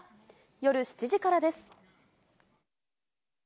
夜７時からです。